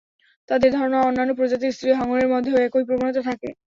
তাঁদের ধারণা, অন্যান্য প্রজাতির স্ত্রী হাঙরের মধ্যেও একই প্রবণতা থাকতে পারে।